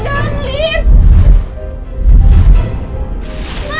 gak mau ke mana